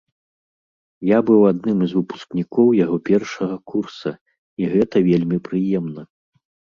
Я быў адным з выпускнікоў яго першага курса, і гэта вельмі прыемна.